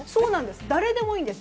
誰でもいいんです。